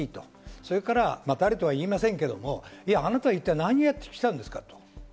それから誰とは言いませんが、あなたは一体何やってきたんですかと。